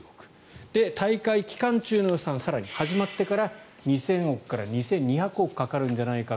大会期間中の予算更に始まってから２０００億から２２００億かかるんじゃないか。